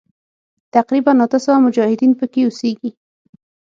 تقریباً اته سوه مجاهدین پکې اوسیږي.